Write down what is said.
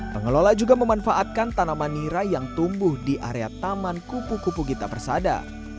pengelola juga memanfaatkan tanaman nira yang tumbuh di area taman kupu kupu gita persada